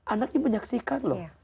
anaknya menyaksikan loh